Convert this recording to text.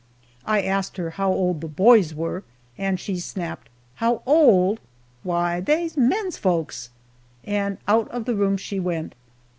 I asked her how old the boys were, and she snapped, "How old! why they's men folks," and out of the room she went.